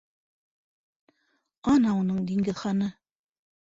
Ана уның Диңгеҙханы.